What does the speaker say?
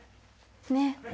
ねっ。